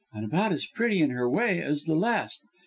"And about as pretty in her way as the last.